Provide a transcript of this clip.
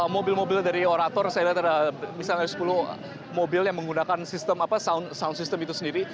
mobil mobil dari orator saya lihat ada misalnya sepuluh mobil yang menggunakan sistem sound system itu sendiri